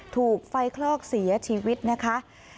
ถูกไฟคลอกเสียชีวิตนะคะ